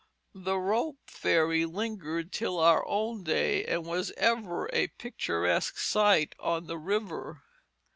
The rope ferry lingered till our own day, and was ever a picturesque sight on the river.